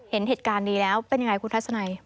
เห็นเหตุการณ์นี้แล้วเป็นยังไงคุณทัศนัย